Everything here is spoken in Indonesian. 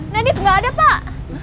nadif gak ada pak